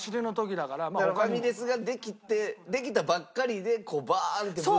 だからファミレスができてできたばっかりでこうバーンってブームで。